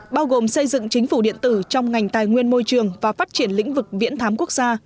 bao gồm xây dựng chính phủ điện tử trong ngành tài nguyên môi trường và phát triển lĩnh vực viễn thám quốc gia